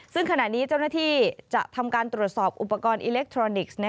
ซึ่งขณะนี้เจ้าหน้าที่จะทำการตรวจสอบอุปกรณ์อิเล็กทรอนิกส์